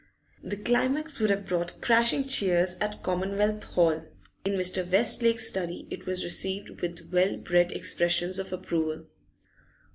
The climax would have brought crashing cheers at Commonwealth Hall; in Mr. Westlake's study it was received with well bred expressions of approval.